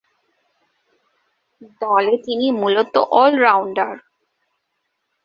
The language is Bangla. দলে তিনি মূলতঃ অল-রাউন্ডার।